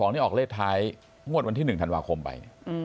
ออกเลขท้ายงวดวันที่๑ธันวาคมไป